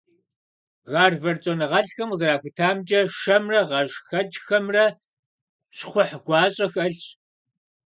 Гарвард щӀэныгъэлӀхэм къызэрахутамкӀэ, шэмрэ гъэшхэкӀхэмрэ щхъухь гуащӀэ хэлъщ.